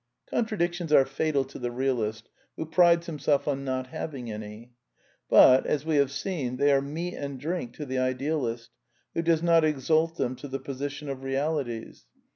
Contradictions are fatal to the realist who prides him self on not having any. But, as we have seen, they are meat and drink to the idealist, who does not exalt them to the position of realities.